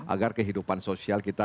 agar kehidupan sosial kita